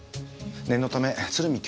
念のため鶴見